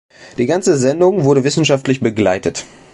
Die ganze Sendung wurde wissenschaftlich begleitet.